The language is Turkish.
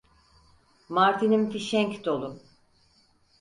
Martinim fişenk dolu.